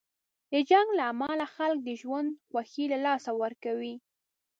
د جنګ له امله خلک د ژوند خوښۍ له لاسه ورکوي.